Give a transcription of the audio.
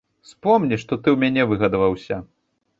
Успомні, што ты ў мяне выгадаваўся!